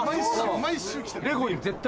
毎週来てる。